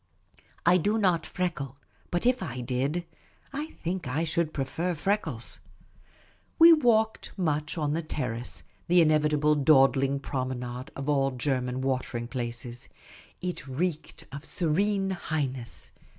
I do not freckle, but if I did, I think I should prefer freckles. We walked much on the terrace — the inevitable dawdling promenade of all German watering places, — it reeked of Serene Highness.